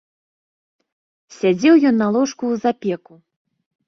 Сядзеў ён на ложку ў запеку.